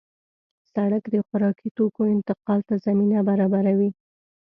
سړک د خوراکي توکو انتقال ته زمینه برابروي.